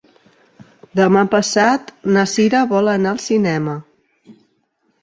Demà passat na Sira vol anar al cinema.